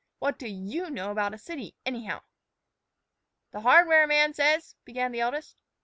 What do you know about a city, anyhow?" "The hardware man says " began the eldest.